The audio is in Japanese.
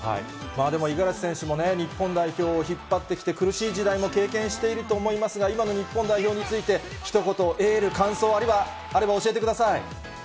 でも五十嵐選手もね、日本代表を引っ張ってきて、苦しい時代も経験していると思いますが、今の日本代表について、ひと言、エール、感想あれば教えてください。